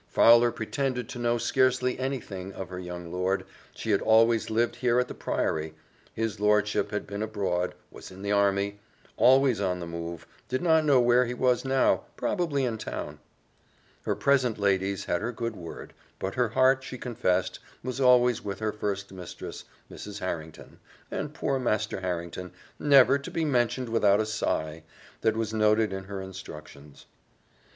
Fowler pretended to know scarcely any thing of her young lord she had always lived here at the Priory his lordship had been abroad was in the army always on the move did not know where he was now probably in town: her present ladies had her good word but her heart, she confessed, was always with her first mistress, Mrs. Harrington, and poor Master Harrington never to be mentioned without a sigh that was noted in her instructions.